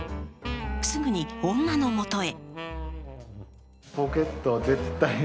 すぐに女のもとへ。